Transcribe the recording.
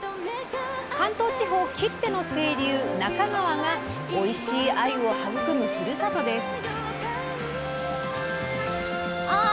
関東地方きっての清流那珂川がおいしいあゆを育むふるさとです。